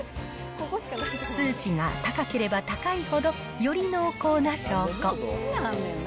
数値が高ければ高いほど、より濃厚な証拠。